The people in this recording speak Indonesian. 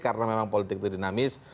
karena memang politik itu dinamis